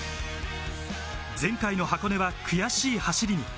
前回の箱根は悔しい走りに。